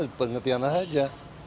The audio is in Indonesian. ini pengertianlah saja